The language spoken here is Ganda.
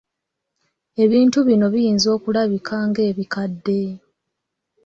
Ebintu bino biyinza okulabika ng'ebikadde.